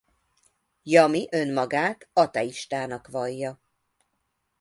Jami önmagát ateistának vallja.